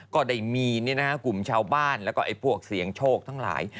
ก็ได้มีกลุ่มชาวบ้านแล้วก็พวกเสียงโชคทั้งหลาย